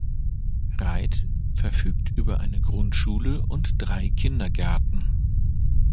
Rheidt verfügt über eine Grundschule und drei Kindergärten.